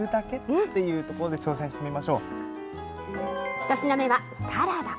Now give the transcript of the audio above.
１品目はサラダ。